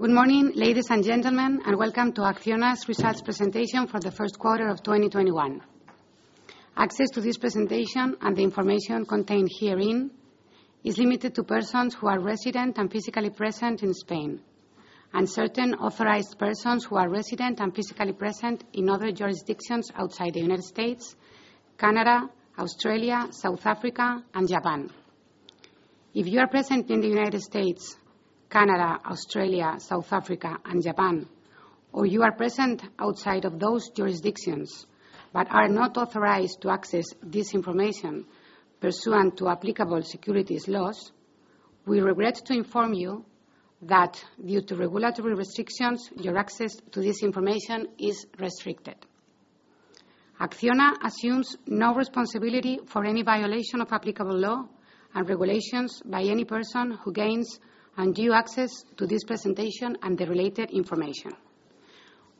Good morning, ladies and gentlemen, and welcome to ACCIONA's results presentation for the first quarter of 2021. Access to this presentation and the information contained herein is limited to persons who are resident and physically present in Spain, and certain authorized persons who are resident and physically present in other jurisdictions outside the United States, Canada, Australia, South Africa, and Japan. If you are present in the United States, Canada, Australia, South Africa, and Japan, or you are present outside of those jurisdictions but are not authorized to access this information pursuant to applicable securities laws, we regret to inform you that due to regulatory restrictions, your access to this information is restricted. ACCIONA assumes no responsibility for any violation of applicable law and regulations by any person who gains undue access to this presentation and the related information.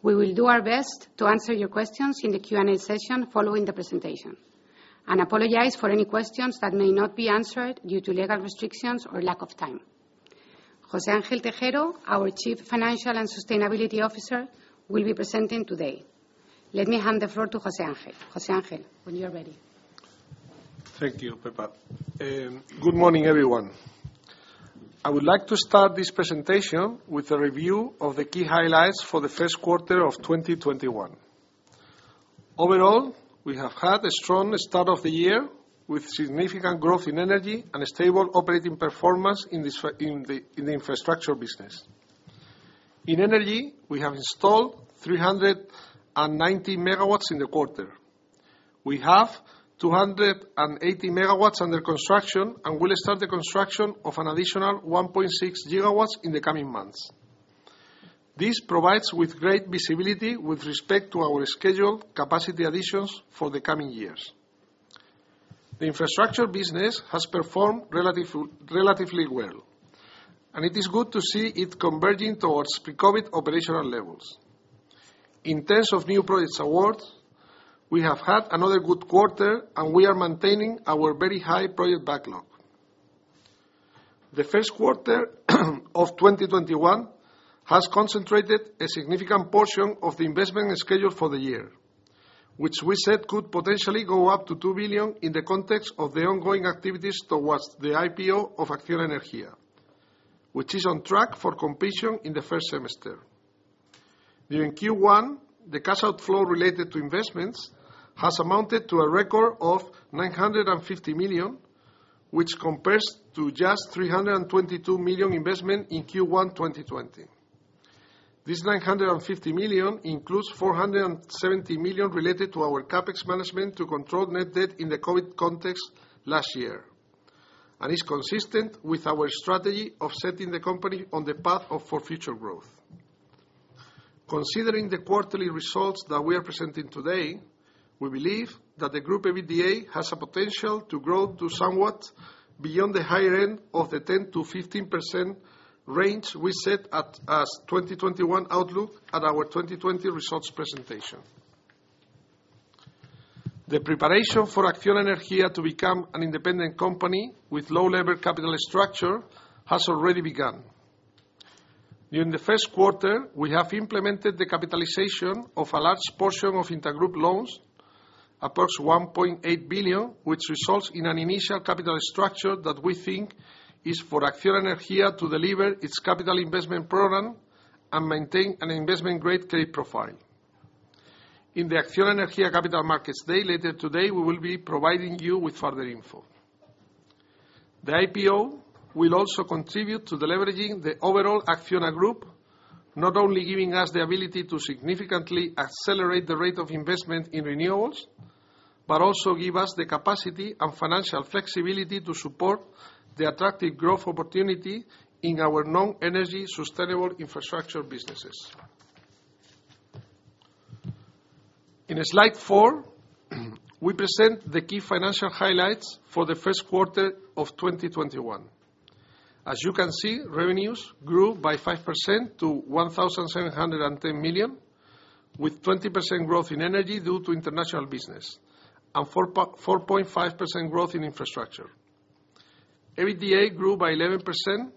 We will do our best to answer your questions in the Q&A session following the presentation and apologize for any questions that may not be answered due to legal restrictions or lack of time. José Ángel Tejero, our Chief Financial and Sustainability Officer, will be presenting today. Let me hand the floor to José Ángel. José Ángel, when you are ready. Thank you, Pepa. Good morning, everyone. I would like to start this presentation with a review of the key highlights for the first quarter of 2021. Overall, we have had a strong start of the year with significant growth in energy and a stable operating performance in the infrastructure business. In energy, we have installed 390 MW in the quarter. We have 280 MW under construction and will start the construction of an additional 1.6 GW in the coming months. This provides with great visibility with respect to our scheduled capacity additions for the coming years. The infrastructure business has performed relatively well, and it is good to see it converging towards pre-COVID operational levels. In terms of new projects awards, we have had another good quarter, and we are maintaining our very high project backlog. The first quarter of 2021 has concentrated a significant portion of the investment schedule for the year, which we said could potentially go up to 2 billion in the context of the ongoing activities towards the IPO of acciona ENERGÍA, which is on track for completion in the first semester. During Q1, the cash outflow related to investments has amounted to a record of 950 million, which compares to just 322 million investment in Q1 2020. This 950 million includes 470 million related to our CapEx management to control net debt in the COVID context last year and is consistent with our strategy of setting the company on the path for future growth. Considering the quarterly results that we are presenting today, we believe that the group EBITDA has a potential to grow to somewhat beyond the higher end of the 10%-15% range we set as 2021 outlook at our 2020 results presentation. The preparation for ACCIONA ENERGÍA to become an independent company with low lever capital structure has already begun. During the first quarter, we have implemented the capitalization of a large portion of intergroup loans, approx 1.8 billion, which results in an initial capital structure that we think is for ACCIONA ENERGÍA to deliver its capital investment program and maintain an investment-grade credit profile. In the ACCIONA ENERGÍA Capital Markets Day later today, we will be providing you with further info. The IPO will also contribute to the leveraging the overall ACCIONA group, not only giving us the ability to significantly accelerate the rate of investment in renewables, but also give us the capacity and financial flexibility to support the attractive growth opportunity in our non-energy sustainable infrastructure businesses. In slide four, we present the key financial highlights for the first quarter of 2021. As you can see, revenues grew by 5% to 1,710 million, with 20% growth in energy due to international business and 4.5% growth in infrastructure. EBITDA grew by 11%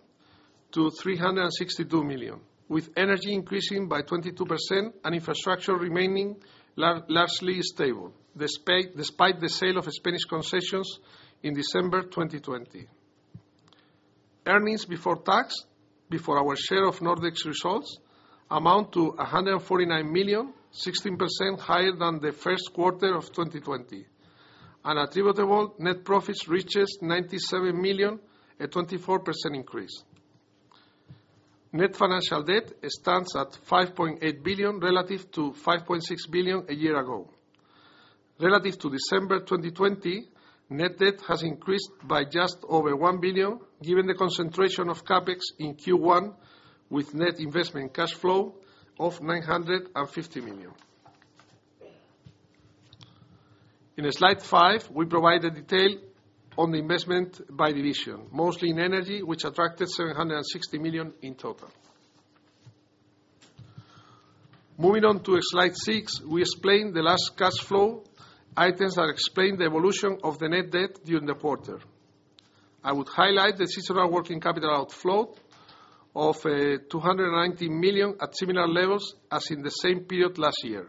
to 362 million, with energy increasing by 22% and infrastructure remaining largely stable, despite the sale of Spanish concessions in December 2020. Earnings before tax, before our share of Nordex results, amount to 149 million, 16% higher than the first quarter of 2020, and attributable net profits reaches 97 million, a 24% increase. Net financial debt stands at 5.8 billion relative to 5.6 billion a year ago. Relative to December 2020, net debt has increased by just over 1 billion, given the concentration of CapEx in Q1 with net investment cash flow of 950 million. In slide five, we provide the detail on the investment by division, mostly in energy, which attracted 760 million in total. Moving on to slide six, we explain the last cash flow items that explain the evolution of the net debt during the quarter. I would highlight the seasonal working capital outflow of 290 million at similar levels as in the same period last year,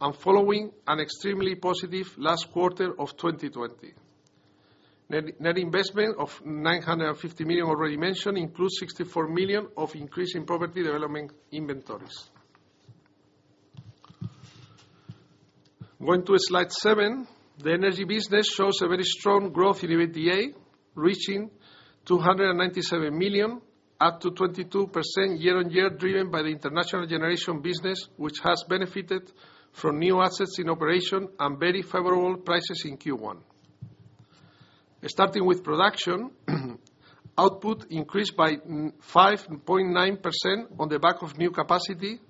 and following an extremely positive last quarter of 2020. Net investment of 950 million already mentioned includes 64 million of increase in property development inventories. Going to slide seven, the energy business shows a very strong growth in EBITDA, reaching 297 million, up to 22% year-on-year, driven by the international generation business, which has benefited from new assets in operation and very favorable prices in Q1. Starting with production, output increased by 5.9% on the back of new capacity.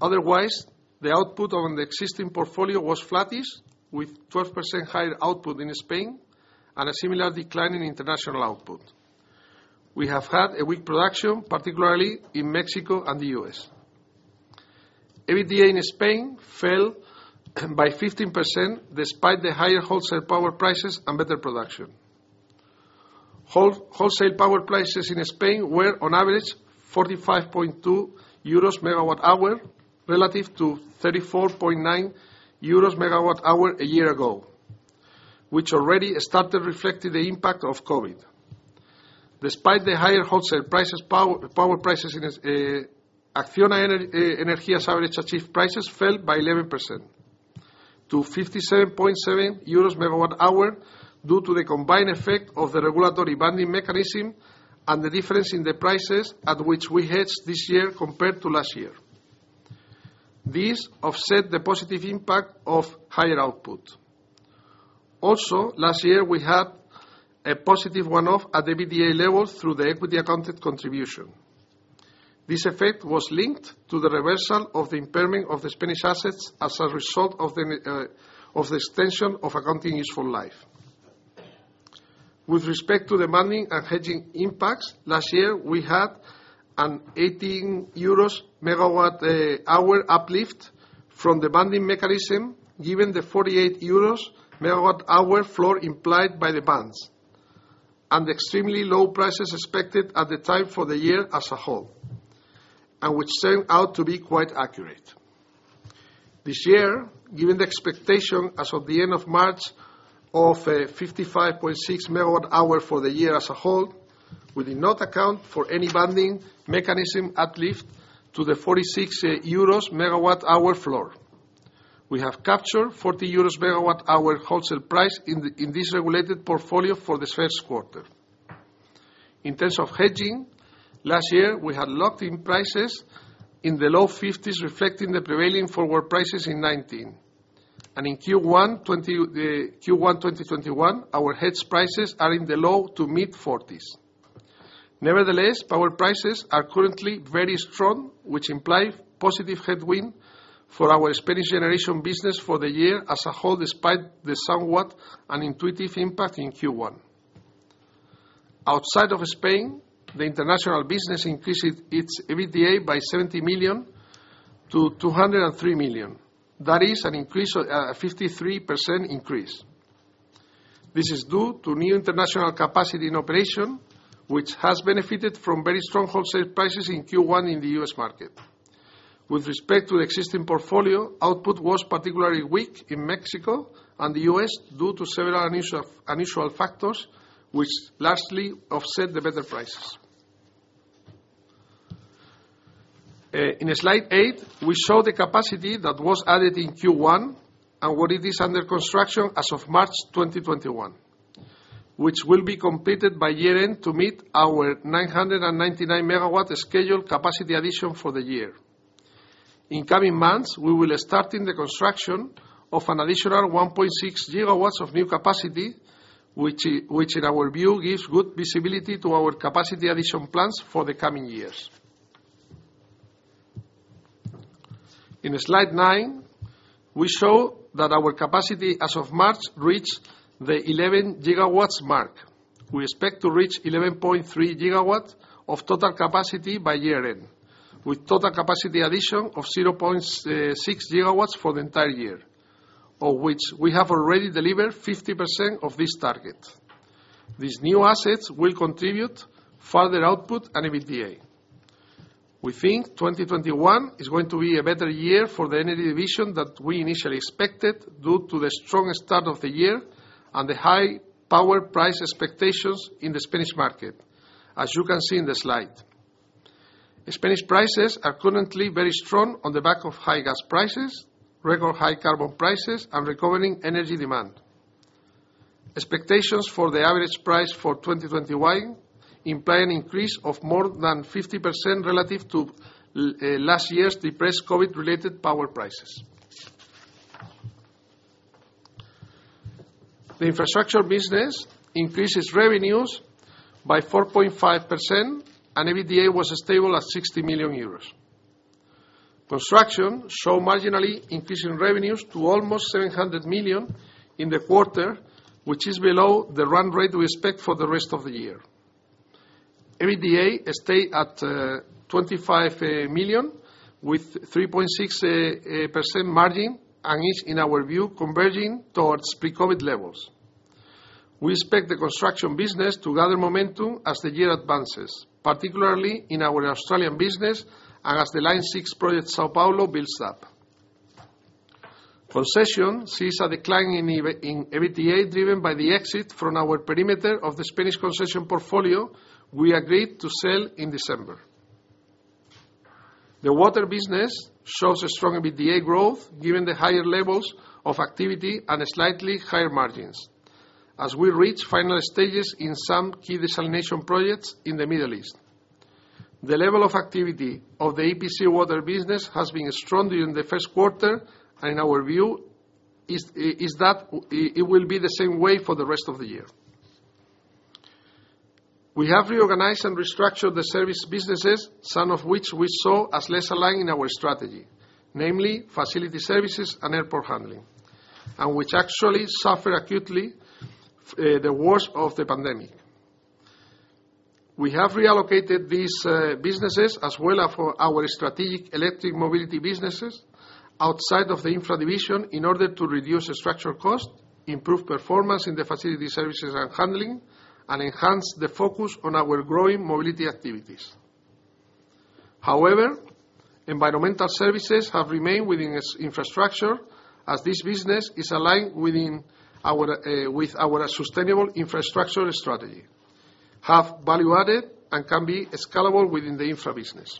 Otherwise, the output on the existing portfolio was flattish, with 12% higher output in Spain and a similar decline in international output. We have had a weak production, particularly in Mexico and the U.S. EBITDA in Spain fell by 15%, despite the higher wholesale power prices and better production. Wholesale power prices in Spain were, on average, 45.2 euros MWh relative to 34.9 euros MWh a year ago, which already started reflecting the impact of COVID. Despite the higher wholesale power prices, ACCIONA ENERGÍA's average achieved prices fell by 11% to 57.7 euros MWh due to the combined effect of the regulatory banding mechanism and the difference in the prices at which we hedged this year compared to last year. These offset the positive impact of higher output. Last year, we had a positive one-off at EBITDA level through the equity accounted contribution. This effect was linked to the reversal of the impairment of the Spanish assets as a result of the extension of accounting useful life. With respect to the banding and hedging impacts, last year, we had an 18 euros MWh uplift from the banding mechanism, given the 48 euros MWh floor implied by the bands, and extremely low prices expected at the time for the year as a whole, and which turned out to be quite accurate. This year, given the expectation as of the end of March of 55.6 MWh for the year as a whole, we did not account for any banding mechanism uplift to the 46 euros MWh floor. We have captured 40 euros MWh wholesale price in this regulated portfolio for this first quarter. In terms of hedging, last year, we had locked in prices in the low 50s, reflecting the prevailing forward prices in 2019. In Q1 2021, our hedge prices are in the low to mid 40s. Nevertheless, power prices are currently very strong, which imply positive headwind for our Spanish generation business for the year as a whole, despite the somewhat unintuitive impact in Q1. Outside of Spain, the international business increased its EBITDA by 70 million to 203 million. That is a 53% increase. This is due to new international capacity in operation, which has benefited from very strong wholesale prices in Q1 in the U.S. market. With respect to the existing portfolio, output was particularly weak in Mexico and the U.S. due to several unusual factors, which largely offset the better prices. In slide eight, we show the capacity that was added in Q1 and what it is under construction as of March 2021, which will be completed by year-end to meet our 999 MW scheduled capacity addition for the year. In coming months, we will starting the construction of an additional 1.6 GW of new capacity, which in our view gives good visibility to our capacity addition plans for the coming years. In slide nine, we show that our capacity as of March reached the 11 GW mark. We expect to reach 11.3 GW of total capacity by year-end, with total capacity addition of 0.6 GW for the entire year, of which we have already delivered 50% of this target. These new assets will contribute further output and EBITDA. We think 2021 is going to be a better year for the energy division than we initially expected due to the strong start of the year and the high power price expectations in the Spanish market, as you can see in the slide. Spanish prices are currently very strong on the back of high gas prices, record high carbon prices, and recovering energy demand. Expectations for the average price for 2021 imply an increase of more than 50% relative to last year's depressed COVID-related power prices. The infrastructure business increased its revenues by 4.5%, and EBITDA was stable at 60 million euros. Construction showed marginally increase in revenues to almost 700 million in the quarter, which is below the run rate we expect for the rest of the year. EBITDA stayed at 25 million, with 3.6% margin, and is, in our view, converging towards pre-COVID levels. We expect the construction business to gather momentum as the year advances, particularly in our Australian business and as the Line 6 project, São Paulo, builds up. Concessions sees a decline in EBITDA, driven by the exit from our perimeter of the Spanish concession portfolio we agreed to sell in December. The water business shows a strong EBITDA growth given the higher levels of activity and slightly higher margins as we reach final stages in some key desalination projects in the Middle East. The level of activity of the EPC water business has been strong during the first quarter, and our view is that it will be the same way for the rest of the year. We have reorganized and restructured the service businesses, some of which we saw as less aligned in our strategy, namely facility services and airport handling, and which actually suffer acutely the worst of the pandemic. We have reallocated these businesses as well for our strategic electric mobility businesses outside of the infra division in order to reduce structural cost, improve performance in the facility services and handling, and enhance the focus on our growing mobility activities. However, environmental services have remained within infrastructure as this business is aligned with our sustainable infrastructure strategy, have value added, and can be scalable within the infra business.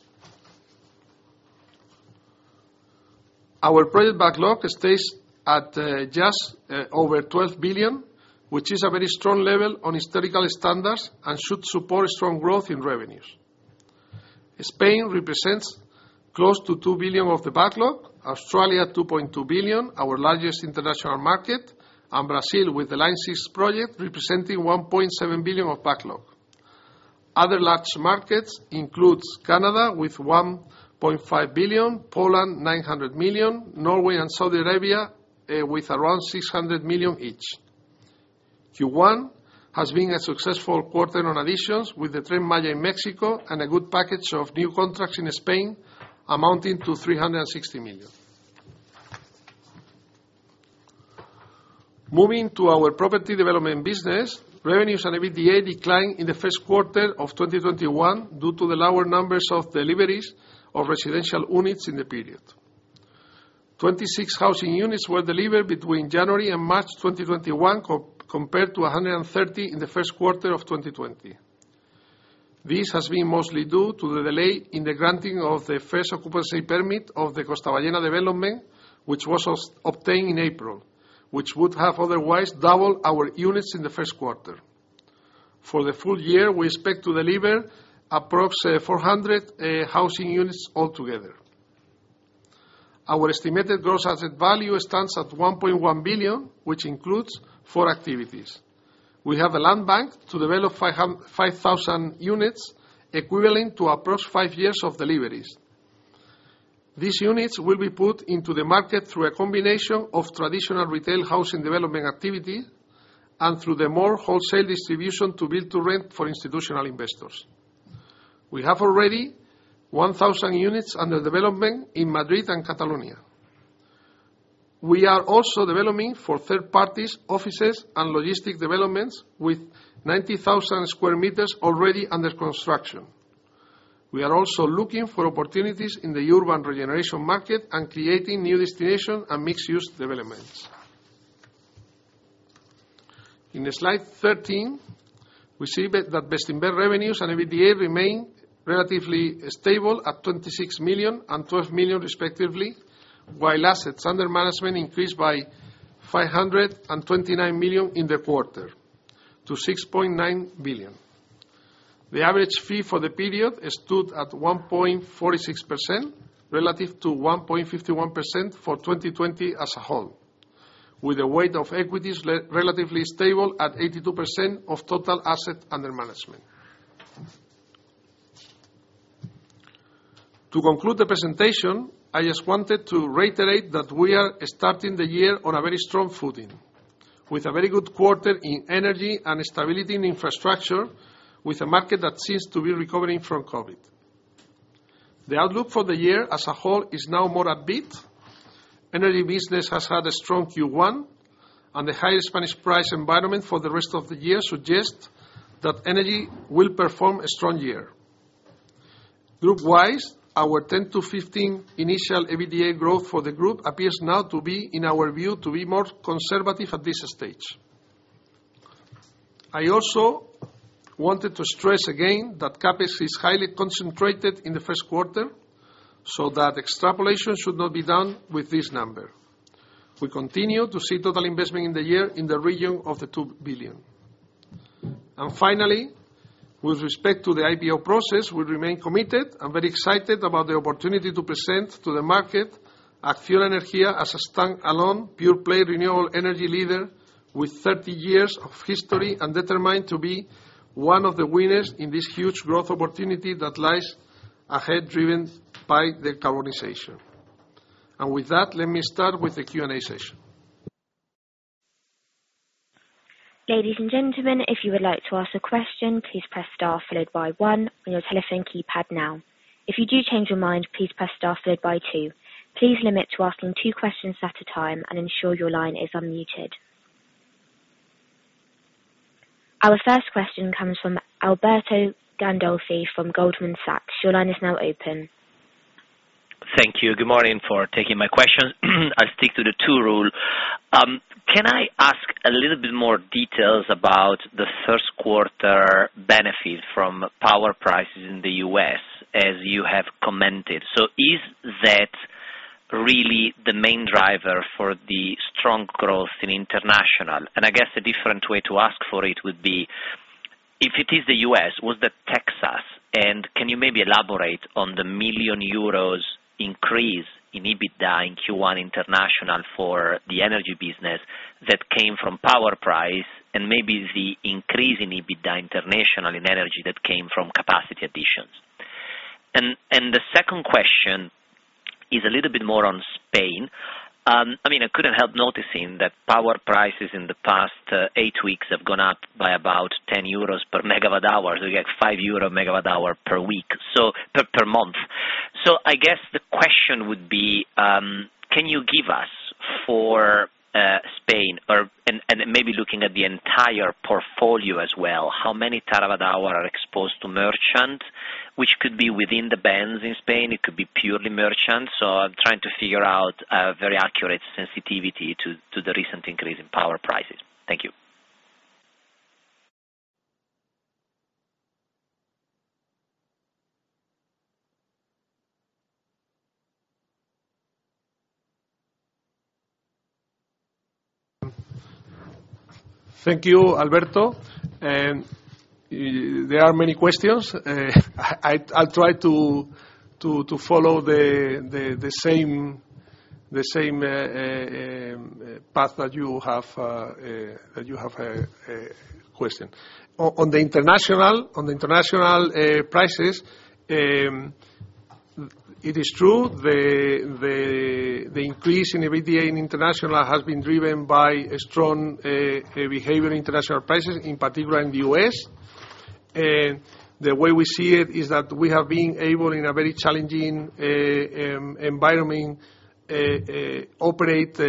Our project backlog stays at just over 12 billion, which is a very strong level on historical standards and should support strong growth in revenues. Spain represents close to 2 billion of the backlog, Australia 2.2 billion, our largest international market, and Brazil, with the Line 6 project, representing 1.7 billion of backlog. Other large markets includes Canada with 1.5 billion, Poland 900 million, Norway and Saudi Arabia with around 600 million each. Q1 has been a successful quarter on additions with the Tren Maya in Mexico and a good package of new contracts in Spain amounting to 360 million. Moving to our property development business, revenues and EBITDA declined in the first quarter of 2021 due to the lower numbers of deliveries of residential units in the period. 26 housing units were delivered between January and March 2021 compared to 130 in the first quarter of 2020. This has been mostly due to the delay in the granting of the first occupancy permit of the Costa Ballena development, which was obtained in April, which would have otherwise doubled our units in the first quarter. For the full year, we expect to deliver approx 400 housing units altogether. Our estimated gross asset value stands at 1.1 billion, which includes four activities. We have a land bank to develop 5,000 units, equivalent to approx five years of deliveries. These units will be put into the market through a combination of traditional retail housing development activity and through the more wholesale distribution to build-to-rent for institutional investors. We have already 1,000 units under development in Madrid and Catalonia. We are also developing for third parties, offices, and logistic developments with 90,000 sq m already under construction. We are also looking for opportunities in the urban regeneration market and creating new destination and mixed-use developments. In slide 13, we see that Bestinver revenues and EBITDA remain relatively stable at 26 million and 12 million respectively, while assets under management increased by 529 million in the quarter to 6.9 billion. The average fee for the period stood at 1.46% relative to 1.51% for 2020 as a whole, with the weight of equities relatively stable at 82% of total asset under management. To conclude the presentation, I just wanted to reiterate that we are starting the year on a very strong footing with a very good quarter in energy and stability in infrastructure with a market that seems to be recovering from COVID. The outlook for the year as a whole is now more upbeat. Energy business has had a strong Q1. The higher Spanish price environment for the rest of the year suggests that energy will perform a strong year. Group wise, our 10%-15% initial EBITDA growth for the group appears now to be, in our view, more conservative at this stage. I also wanted to stress again that CapEx is highly concentrated in the first quarter. That extrapolation should not be done with this number. We continue to see total investment in the year in the region of 2 billion. Finally, with respect to the IPO process, we remain committed and very excited about the opportunity to present to the market ACCIONA ENERGÍA as a standalone pure-play renewable energy leader with 30 years of history and determined to be one of the winners in this huge growth opportunity that lies ahead, driven by decarbonization. With that, let me start with the Q&A session. Ladies and gentlemen, if you would like to ask a question, please press star followed by one on your telephone keypad now. If you do change your mind, please press star followed by two. Please limit to asking two questions at a time and ensure your line is unmuted. Our first question comes from Alberto Gandolfi from Goldman Sachs. Your line is now open. Thank you. Good morning for taking my question. I'll stick to the two rule. Can I ask a little bit more details about the first quarter benefit from power prices in the U.S., as you have commented? Is that really the main driver for the strong growth in international? I guess a different way to ask for it would be, if it is the U.S., was that Texas? Can you maybe elaborate on the 1 million euros increase in EBITDA in Q1 international for the energy business that came from power price and maybe the increase in EBITDA international in energy that came from capacity additions? The second question is a little bit more on Spain. I couldn't help noticing that power prices in the past eight weeks have gone up by about 10 euros per MWh, so you get 5 euro MWh per month. I guess the question would be, can you give us for Spain or, and maybe looking at the entire portfolio as well, how many terawatt hour are exposed to merchant, which could be within the bands in Spain, it could be purely merchant? I am trying to figure out a very accurate sensitivity to the recent increase in power prices. Thank you. Thank you, Alberto. There are many questions. I'll try to follow the same path that you have question. On the international prices, it is true, the increase in EBITDA in international has been driven by a strong behavior in international prices, in particular in the U.S. The way we see it is that we have been able, in a very challenging environment, operate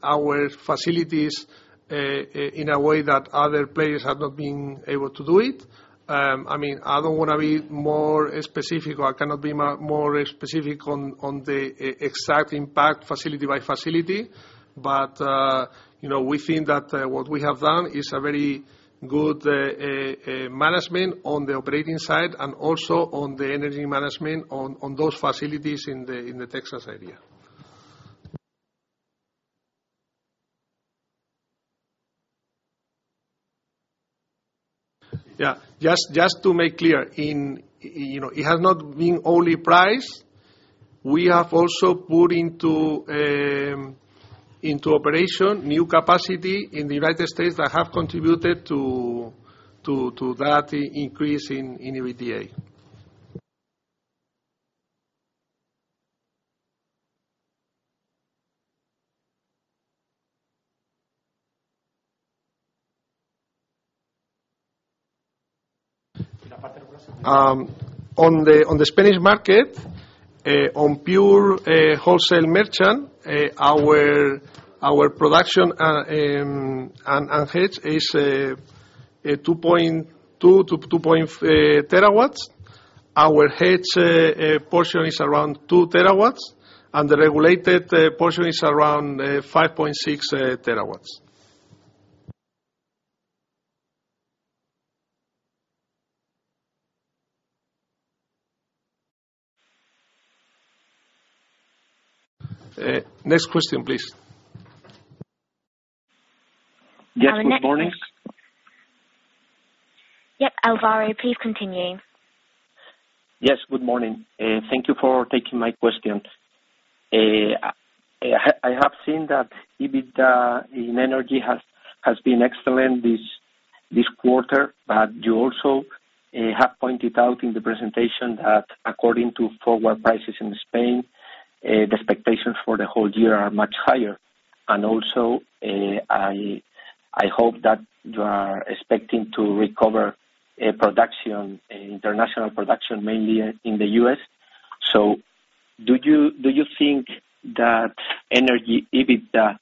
our facilities in a way that other players have not been able to do it. I don't want to be more specific or I cannot be more specific on the exact impact facility by facility. We think that what we have done is a very good management on the operating side and also on the energy management on those facilities in the Texas area. Just to make clear, it has not been only price. We have also put into operation new capacity in the United States that have contributed to that increase in EBITDA. On the Spanish market, on pure wholesale merchant, our production and hedge is 2.2-2 TW. Our hedge portion is around two terawatts, and the regulated portion is around 5.6 TW. Next question, please. Our next- Yes, good morning. Yep. Alvaro, please continue. Yes, good morning, and thank you for taking my questions. I have seen that EBITDA in energy has been excellent this quarter, but you also have pointed out in the presentation that according to forward prices in Spain, the expectations for the whole year are much higher. Also, I hope that you are expecting to recover international production mainly in the U.S. Do you think that energy EBITDA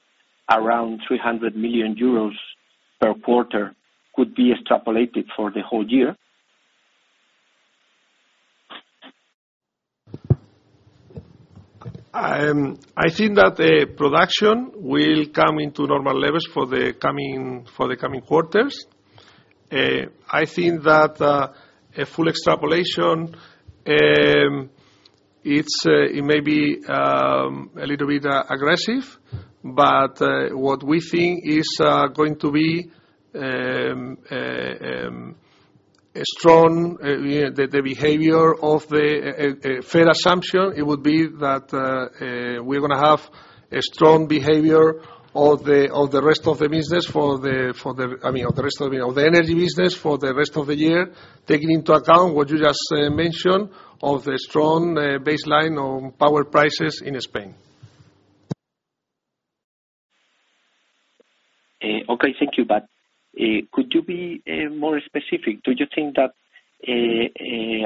around 300 million euros per quarter could be extrapolated for the whole year? I think that production will come into normal levels for the coming quarters. I think that a full extrapolation, it may be a little bit aggressive. What we think is going to be the behavior of the fair assumption, it would be that we're going to have a strong behavior of the energy business for the rest of the year, taking into account what you just mentioned of the strong baseline on power prices in Spain. Okay, thank you. Could you be more specific? Do you think that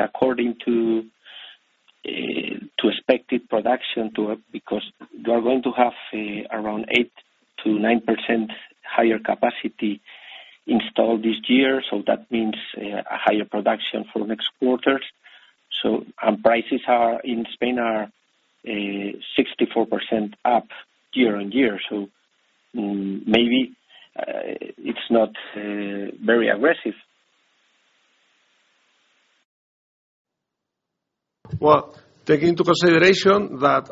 according to expected production, because you are going to have around 8%-9% higher capacity installed this year, so that means a higher production for next quarters. Our prices in Spain are 64% up year-on-year. Maybe it's not very aggressive. Well, take into consideration that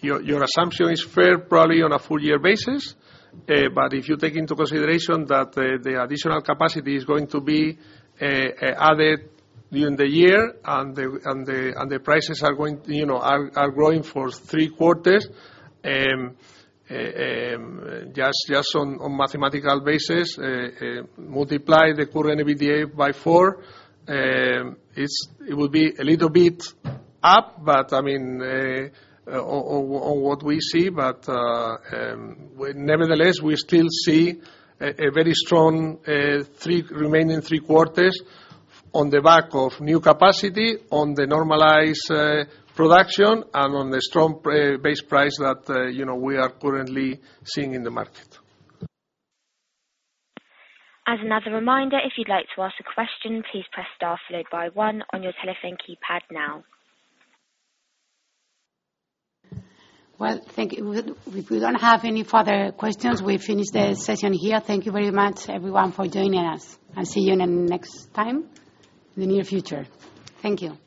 your assumption is fair probably on a full year basis, but if you take into consideration that the additional capacity is going to be added during the year and the prices are growing for three quarters, just on mathematical basis, multiply the current EBITDA by four, it will be a little bit up on what we see. Nevertheless, we still see a very strong remaining three quarters on the back of new capacity on the normalized production and on the strong base price that we are currently seeing in the market. As another reminder, if you'd like to ask a question, please press star followed by one on your telephone keypad now. Well, thank you. If we don't have any further questions, we finish the session here. Thank you very much, everyone, for joining us, and see you in the next time, in the near future. Thank you.